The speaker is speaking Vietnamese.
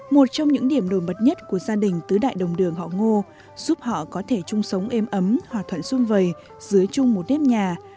một trong những điểm nổi bật nhất của gia đình tứ đại đồng đường họ ngô giúp họ có thể chung sống êm ấm hòa thuận sung vầy dưới chung một nếp nhà